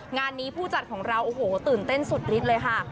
งานนี้ผู้จัดของเราตื่นเต้นสุดลิดเลยค่ะ